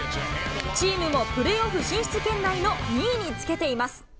チームもプレーオフ進出圏内の２位につけています。